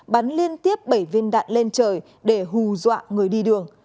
bắn liên tiếp bảy viên đạn lên trời để hù dọa người đi đường